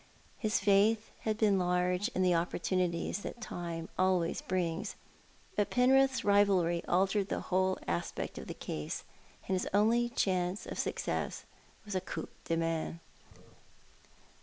His faith had been large in the opportunities that time always brings. But Penrith's rivalry altered the whole aspect of the case, and his only chance of success was a coup de main.